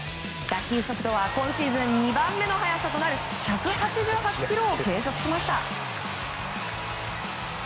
打球速度は今シーズン２番目の速さとなる１８８キロを計測しました。